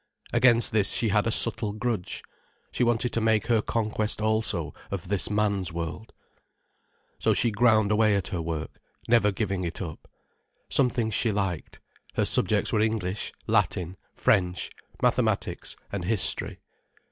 Against this she had a subtle grudge. She wanted to make her conquest also of this man's world. So she ground away at her work, never giving it up. Some things she liked. Her subjects were English, Latin, French, mathematics and history.